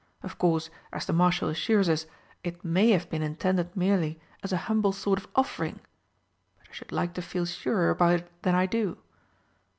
Of course, as the Marshal assures us, it may have been intended merely as a humble sort of offering, but I should like to feel surer about it than I do.